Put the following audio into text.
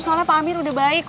soalnya pak amir udah baik